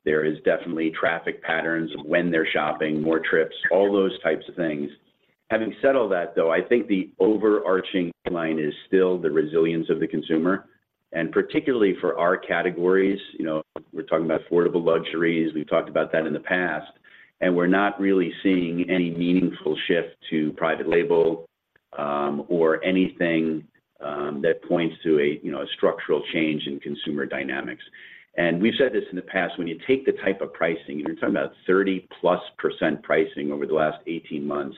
There is definitely traffic patterns of when they're shopping, more trips, all those types of things. Having said all that, though, I think the overarching line is still the resilience of the consumer, and particularly for our categories. You know, we're talking about affordable luxuries. We've talked about that in the past, and we're not really seeing any meaningful shift to private label, or anything, that points to a, you know, a structural change in consumer dynamics. We've said this in the past, when you take the type of pricing, and you're talking about 30%+ pricing over the last 18 months,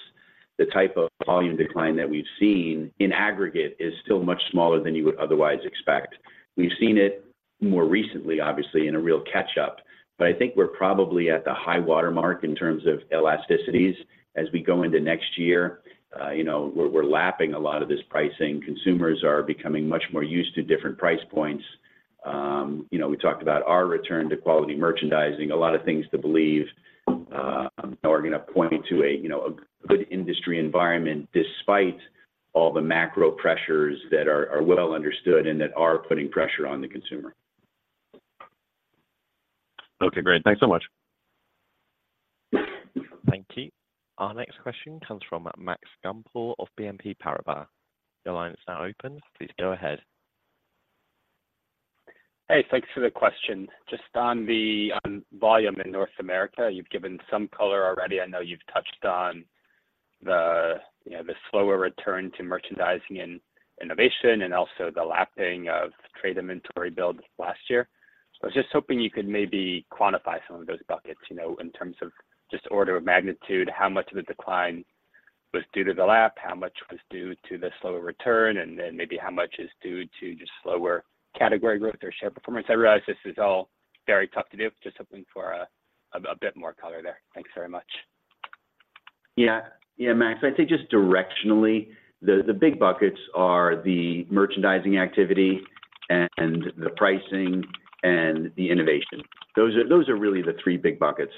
the type of volume decline that we've seen in aggregate is still much smaller than you would otherwise expect. We've seen it more recently, obviously, in a real catch up, but I think we're probably at the high water mark in terms of elasticities as we go into next year. You know, we're, we're lapping a lot of this pricing. Consumers are becoming much more used to different price points. You know, we talked about our return to quality merchandising, a lot of things to believe, are gonna point to a, you know, a good industry environment, despite all the macro pressures that are, are well understood and that are putting pressure on the consumer. Okay, great. Thanks so much. Thank you. Our next question comes from Max Gumport of BNP Paribas. Your line is now open. Please go ahead. Hey, thanks for the question. Just on volume in North America, you've given some color already. I know you've touched on the, you know, the slower return to merchandising and innovation and also the lapping of trade inventory builds last year. I was just hoping you could maybe quantify some of those buckets, you know, in terms of just order of magnitude, how much of the decline was due to the lap, how much was due to the slower return, and then maybe how much is due to just slower category growth or share performance? I realize this is all very tough to do, just hoping for a bit more color there. Thanks very much. Yeah. Yeah, Max, I think just directionally, the big buckets are the merchandising activity and the pricing and the innovation. Those are really the three big buckets,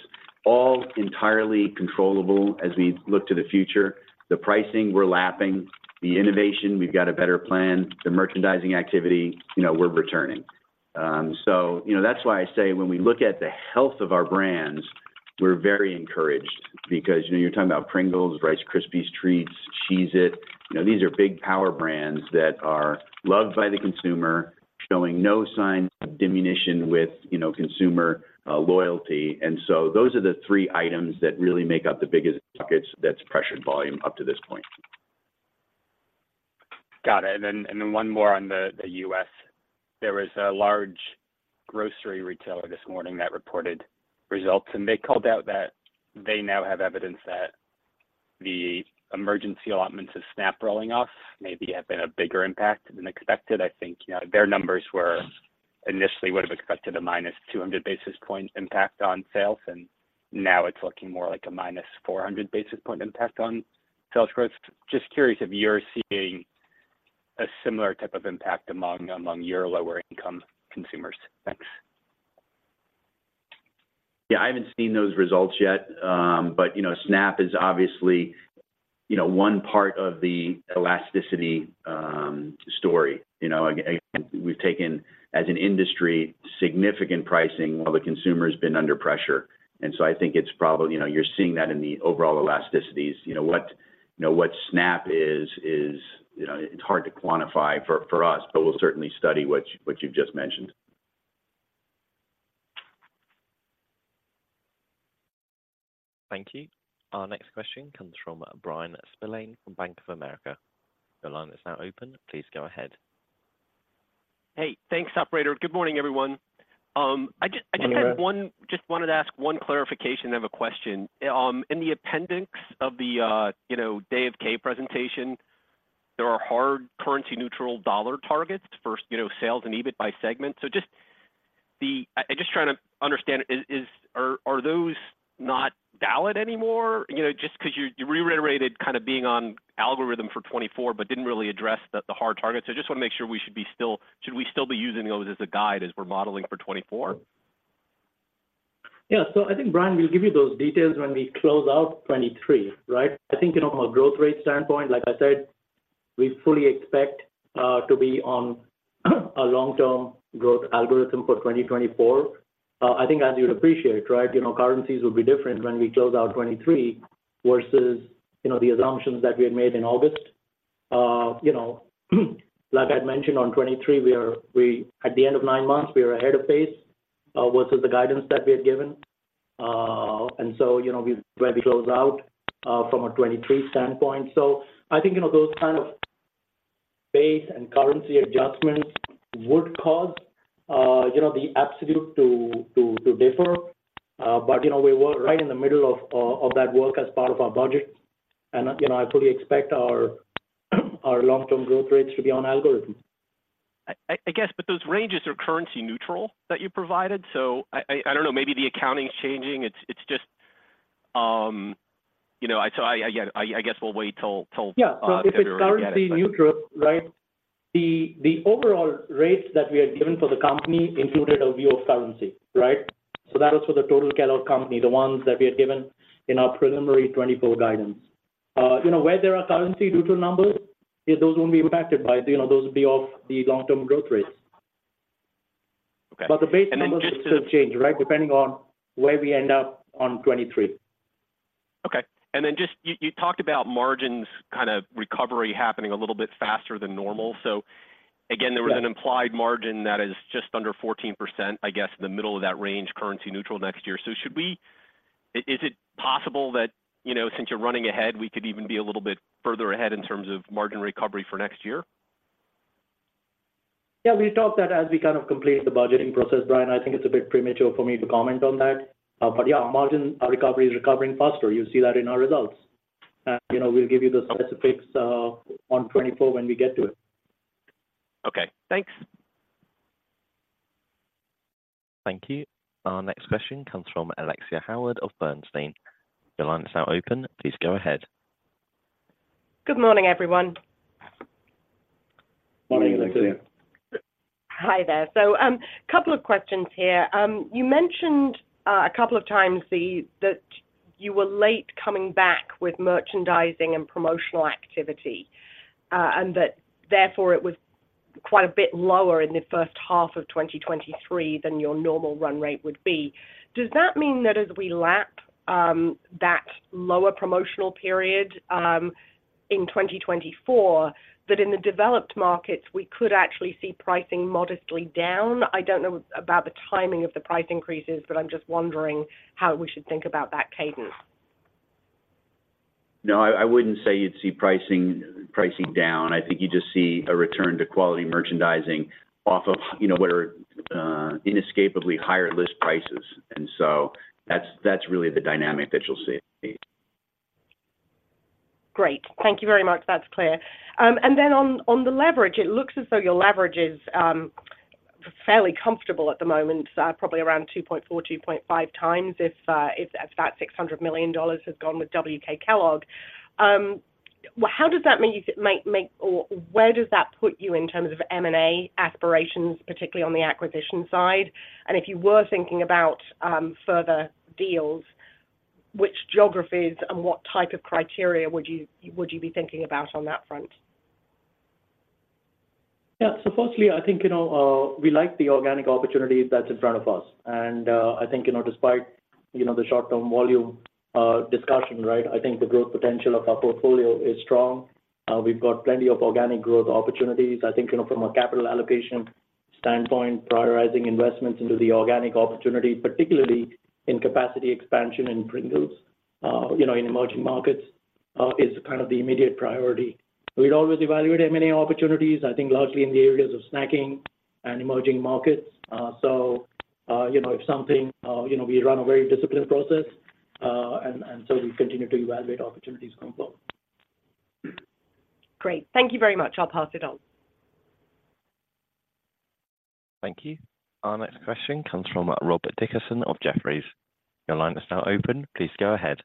all entirely controllable as we look to the future. The pricing, we're lapping; the innovation, we've got a better plan; the merchandising activity, you know, we're returning. So you know, that's why I say when we look at the health of our brands, we're very encouraged because, you know, you're talking about Pringles, Rice Krispies Treats, Cheez-It, you know, these are big power brands that are loved by the consumer, showing no signs of diminution with, you know, consumer loyalty. And so those are the three items that really make up the biggest buckets that's pressured volume up to this point. Got it. And then, and then one more on the, the U.S. There was a large grocery retailer this morning that reported results, and they called out that they now have evidence that the emergency allotments of SNAP rolling off maybe have been a bigger impact than expected. I think, you know, their numbers were initially would have expected a -200 basis point impact on sales, and now it's looking more like a -400 basis point impact on sales growth. Just curious if you're seeing a similar type of impact among, among your lower-income consumers. Thanks. Yeah, I haven't seen those results yet, but, you know, SNAP is obviously, you know, one part of the elasticity story. You know, again, we've taken, as an industry, significant pricing while the consumer has been under pressure, and so I think it's probably—you know, you're seeing that in the overall elasticities. You know, what, you know, what SNAP is, is, you know, it's hard to quantify for, for us, but we'll certainly study what you, what you've just mentioned. ... Thank you. Our next question comes from Bryan Spillane from Bank of America. Your line is now open. Please go ahead. Hey, thanks, operator. Good morning, everyone. I just, I just had one- Good morning. Just wanted to ask one clarification of a question. In the appendix of the Day at K presentation, there are hard currency neutral dollar targets for sales and EBIT by segment. So I just trying to understand, are those not valid anymore? You know, just because you reiterated kind of being on algorithm for 2024, but didn't really address the hard targets. So I just want to make sure should we still be using those as a guide as we're modeling for 2024? Yeah. So I think, Bryan, we'll give you those details when we close out 2023, right? I think, you know, from a growth rate standpoint, like I said, we fully expect to be on a long-term growth algorithm for 2024. I think, as you'd appreciate, right, you know, currencies will be different when we close out 2023 versus, you know, the assumptions that we had made in August. You know, like I mentioned, on 2023, we are at the end of nine months, we are ahead of pace versus the guidance that we had given. And so, you know, when we close out from a 2023 standpoint. So I think, you know, those kind of base and currency adjustments would cause, you know, the absolute to differ. But, you know, we were right in the middle of that work as part of our budget. You know, I fully expect our long-term growth rates to be on algorithm. I guess, but those ranges are currency neutral that you provided, so I don't know, maybe the accounting's changing. It's just... You know, so again, I guess we'll wait till February to get it. Yeah. If it's currency neutral, right? The overall rates that we had given for the company included a view of currency, right? So that was for the total Kellogg Company, the ones that we had given in our preliminary 2024 guidance. You know, where there are currency neutral numbers, those won't be impacted by it. You know, those will be off the long-term growth rates. Okay. The base numbers will still change, right, depending on where we end up on 2023. Okay. And then just, you talked about margins kind of recovery happening a little bit faster than normal. So again- Yes... there was an implied margin that is just under 14%, I guess, in the middle of that range, currency neutral next year. So should we is it possible that, you know, since you're running ahead, we could even be a little bit further ahead in terms of margin recovery for next year? Yeah, we talked that as we kind of complete the budgeting process, Bryan. I think it's a bit premature for me to comment on that, but yeah, margin recovery is recovering faster. You see that in our results. And, you know, we'll give you the specifics on 2024 when we get to it. Okay. Thanks. Thank you. Our next question comes from Alexia Howard of Bernstein. Your line is now open. Please go ahead. Good morning, everyone. Morning, Alexia. Hi there. So, couple of questions here. You mentioned a couple of times that you were late coming back with merchandising and promotional activity, and that therefore, it was quite a bit lower in the first half of 2023 than your normal run rate would be. Does that mean that as we lap that lower promotional period in 2024, that in the developed markets, we could actually see pricing modestly down? I don't know about the timing of the price increases, but I'm just wondering how we should think about that cadence. No, I, I wouldn't say you'd see pricing, pricing down. I think you just see a return to quality merchandising off of, you know, what are inescapably higher list prices. And so that's, that's really the dynamic that you'll see. Great. Thank you very much. That's clear. And then on the leverage, it looks as though your leverage is fairly comfortable at the moment, probably around 2.4x-2.5x, if that $600 million has gone with WK Kellogg. Well, how does that make—or where does that put you in terms of M&A aspirations, particularly on the acquisition side? And if you were thinking about further deals, which geographies and what type of criteria would you be thinking about on that front? Yeah. So firstly, I think, you know, we like the organic opportunity that's in front of us. And, I think, you know, despite, you know, the short-term volume discussion, right, I think the growth potential of our portfolio is strong. We've got plenty of organic growth opportunities. I think, you know, from a capital allocation standpoint, prioritizing investments into the organic opportunity, particularly in capacity expansion in Pringles, you know, in emerging markets, is kind of the immediate priority. We'd always evaluate M&A opportunities, I think, largely in the areas of snacking and emerging markets. So, you know, if something, you know, we run a very disciplined process, and so we continue to evaluate opportunities going forward. Great. Thank you very much. I'll pass it on. Thank you. Our next question comes from Robert Dickerson from Jefferies. Your line is now open. Please go ahead.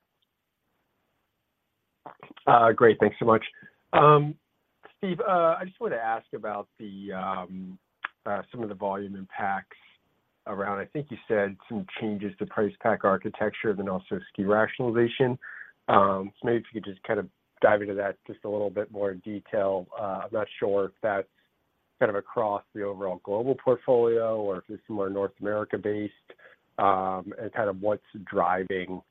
Great. Thanks so much. Steve, I just wanted to ask about some of the volume impacts around, I think you said some changes to price pack architecture and then also SKU rationalization. So maybe if you could just dive into that just a little bit more in detail. I'm not sure if that's kind of across the overall global portfolio or if it's more North America-based, and kind of what's driving,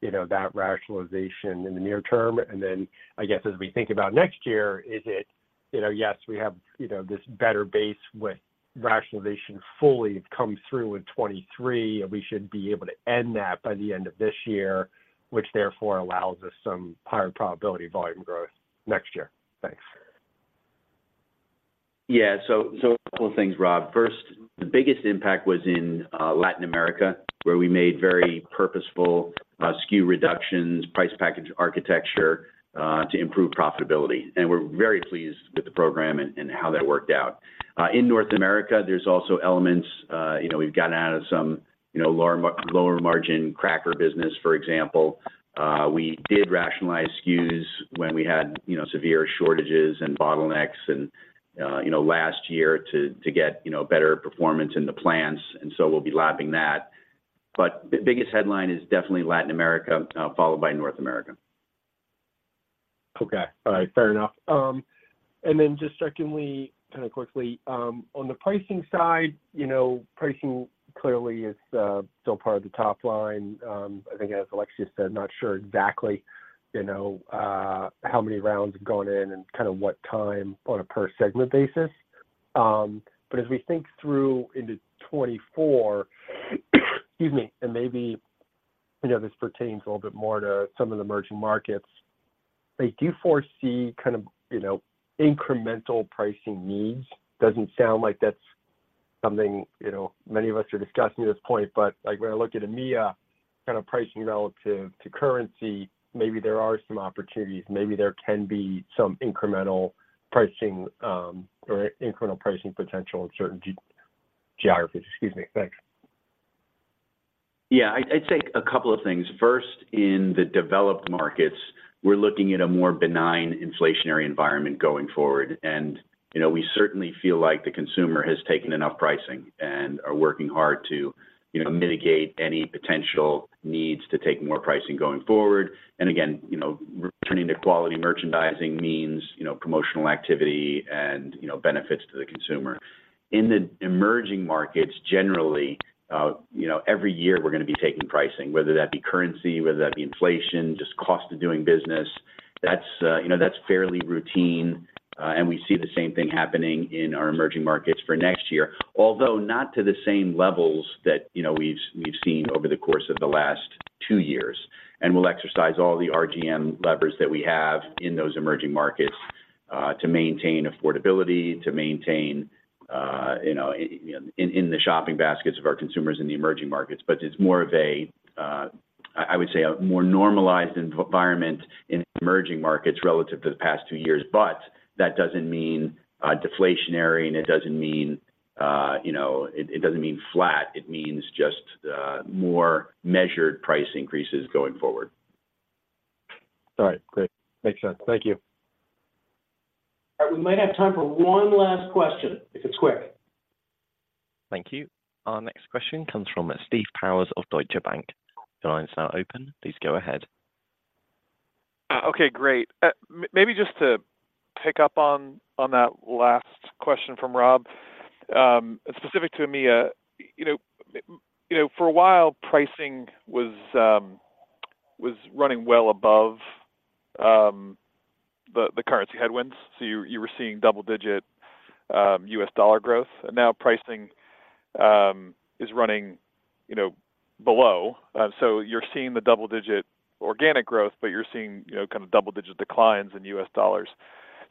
you know, that rationalization in the near term. And then, I guess, as we think about next year, is it... you know, yes, we have, you know, this better base with rationalization fully come through in 2023, and we should be able to end that by the end of this year, which therefore allows us some higher probability volume growth next year. Thanks. Yeah. So, a couple of things, Rob. First, the biggest impact was in Latin America, where we made very purposeful SKU reductions, price pack architecture to improve profitability. And we're very pleased with the program and how that worked out. In North America, there's also elements, you know, we've gotten out of some, you know, lower margin cracker business, for example. We did rationalize SKUs when we had, you know, severe shortages and bottlenecks and, you know, last year to get, you know, better performance in the plants, and so we'll be lapping that. But the biggest headline is definitely Latin America, followed by North America. Okay. All right, fair enough. And then just secondly, kind of quickly, on the pricing side, you know, pricing clearly is still part of the top line. I think as Alexia said, not sure exactly, you know, how many rounds have gone in and kind of what time on a per segment basis. But as we think through into 2024, excuse me, and maybe, you know, this pertains a little bit more to some of the emerging markets, like, do you foresee kind of, you know, incremental pricing needs? Doesn't sound like that's something, you know, many of us are discussing at this point, but, like, when I look at AMEA kind of pricing relative to currency, maybe there are some opportunities, maybe there can be some incremental pricing, or incremental pricing potential in certain geographies. Excuse me. Thanks. Yeah, I'd say a couple of things. First, in the developed markets, we're looking at a more benign inflationary environment going forward. And, you know, we certainly feel like the consumer has taken enough pricing and are working hard to, you know, mitigate any potential needs to take more pricing going forward. And again, you know, returning to quality merchandising means, you know, promotional activity and, you know, benefits to the consumer. In the emerging markets, generally, you know, every year we're gonna be taking pricing, whether that be currency, whether that be inflation, just cost of doing business. That's, you know, that's fairly routine, and we see the same thing happening in our emerging markets for next year, although not to the same levels that, you know, we've seen over the course of the last two years. And we'll exercise all the RGM levers that we have in those emerging markets to maintain affordability, to maintain, you know, in the shopping baskets of our consumers in the emerging markets. But it's more of a I would say, a more normalized environment in emerging markets relative to the past two years. But that doesn't mean deflationary, and it doesn't mean, you know, it doesn't mean flat. It means just more measured price increases going forward. All right, great. Makes sense. Thank you. All right, we might have time for one last question, if it's quick. Thank you. Our next question comes from Steve Powers of Deutsche Bank. Your line is now open, please go ahead. Okay, great. Maybe just to pick up on that last question from Rob. Specific to me, you know, for a while, pricing was running well above the currency headwinds, so you were seeing double-digit US dollar growth, and now pricing is running, you know, below. So you're seeing the double-digit organic growth, but you're seeing, you know, kind of double-digit declines in US dollars.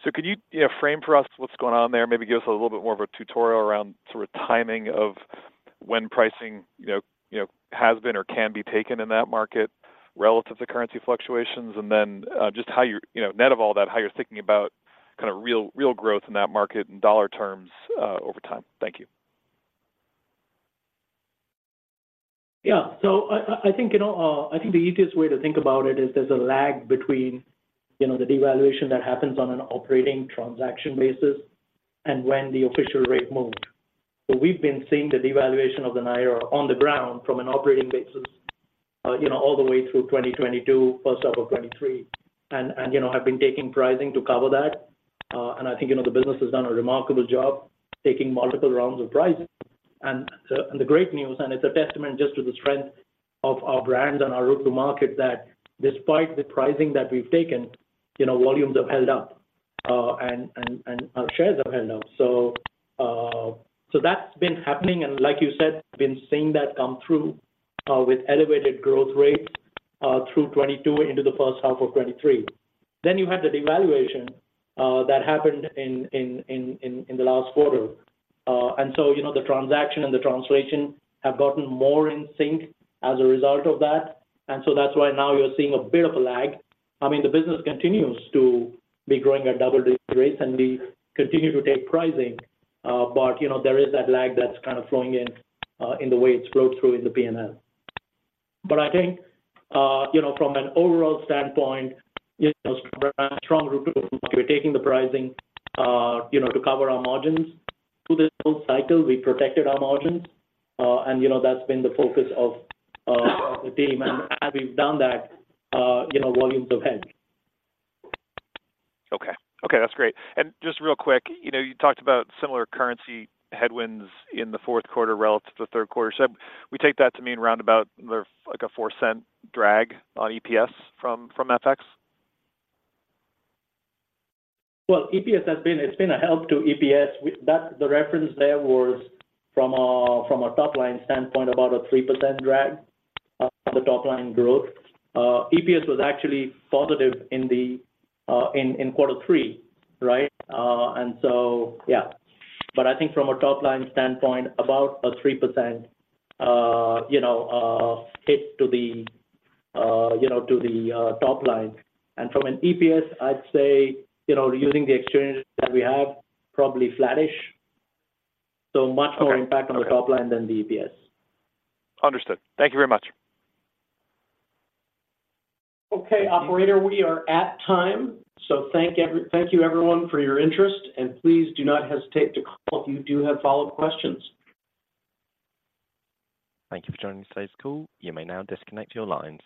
So could you, you know, frame for us what's going on there? Maybe give us a little bit more of a tutorial around sort of timing of when pricing, you know, has been or can be taken in that market relative to currency fluctuations, and then just how you're... You know, net of all that, how you're thinking about kind of real, real growth in that market in dollar terms, over time? Thank you. Yeah. So I think, you know, I think the easiest way to think about it is there's a lag between, you know, the devaluation that happens on an operating transaction basis and when the official rate moved. So we've been seeing the devaluation of the naira on the ground from an operating basis, you know, all the way through 2022, first half of 2023, and, you know, have been taking pricing to cover that. And I think, you know, the business has done a remarkable job taking multiple rounds of pricing. And the great news, and it's a testament just to the strength of our brand and our route to market, that despite the pricing that we've taken, you know, volumes have held up, and our shares have held up. So, that's been happening, and like you said, we've been seeing that come through, with elevated growth rates, through 2022 into the first half of 2023. Then you had the devaluation that happened in the last quarter. And so, you know, the transaction and the translation have gotten more in sync as a result of that, and so that's why now you're seeing a bit of a lag. I mean, the business continues to be growing at double-digit rates, and we continue to take pricing, but, you know, there is that lag that's kind of flowing in, in the way it's flowed through in the P&L. But I think, you know, from an overall standpoint, you know, strong we're taking the pricing, you know, to cover our margins. Through this whole cycle, we protected our margins, and, you know, that's been the focus of the team. As we've done that, you know, volumes have held. Okay. Okay, that's great. And just real quick, you know, you talked about similar currency headwinds in the fourth quarter relative to the third quarter. So we take that to mean roundabout like a $0.04 drag on EPS from FX? Well, EPS has been. It's been a help to EPS. That, the reference there was from a top-line standpoint, about a 3% drag on the top line growth. EPS was actually positive in quarter three, right? And so, yeah. But I think from a top-line standpoint, about a 3%, you know, hit to the top line. And from an EPS, I'd say, you know, using the exchanges that we have, probably flattish. So much more impact- Okay... on the top line than the EPS. Understood. Thank you very much. Okay, operator, we are at time. So thank you, everyone, for your interest, and please do not hesitate to call if you do have follow-up questions. Thank you for joining today's call. You may now disconnect your lines.